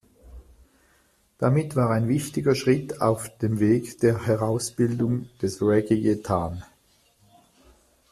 Damit war ein wichtiger Schritt auf dem Weg der Herausbildung des Reggae getan.